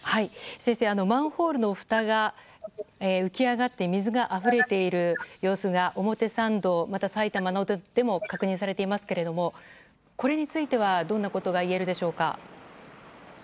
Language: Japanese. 先生、マンホールのふたが浮き上がって水があふれている様子が表参道また埼玉でも確認されていますけどこれについてはどんなことがいえるでしょうか。